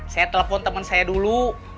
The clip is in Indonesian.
saya telepon teman saya dulu